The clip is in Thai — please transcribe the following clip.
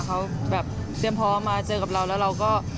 เขาแบบเตรียมพร้อมมาเจอกับเราแล้วเราก็